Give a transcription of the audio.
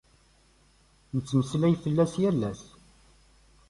Nettmeslay fell-as yal ass.